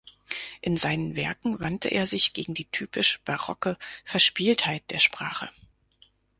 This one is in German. In seinen Werken wandte er sich gegen die typisch barocke Verspieltheit der Sprache.